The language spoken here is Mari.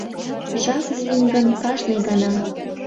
Жап лийын гын, кажне гана